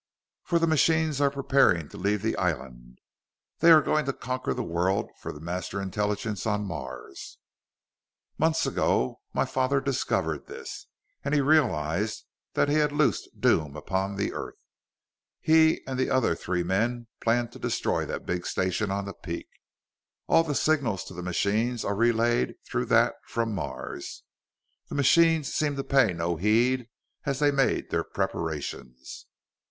"For the machines are preparing to leave the island! They are going to conquer the world for the Master Intelligence on Mars! "Months ago my father discovered this, and realized that he had loosed doom upon the earth. He and the three other men planned to destroy that big station on the peak. All the signals to the machines are relayed through that, from Mars. The machines seemed to pay no heed as they made their preparations.